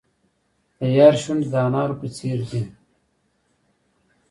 د یار شونډې د انارو په څیر دي.